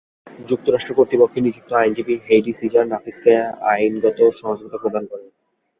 যুক্তরাষ্ট্র কর্তৃপক্ষের নিযুক্ত আইনজীবী হেইডি সিজার নাফিসকে আইনগত সহযোগিতা প্রদান করেন।